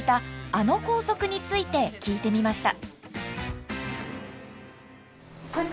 あの校則について聞いてみました。